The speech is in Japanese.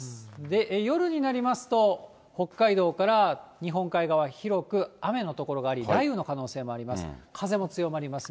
で、夜になりますと、北海道から日本海側、広く雨の所があり、雷雨の可能性もあります。